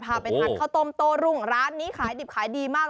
พาไปทานข้าวต้มโต้รุ่งร้านนี้ขายดิบขายดีมาก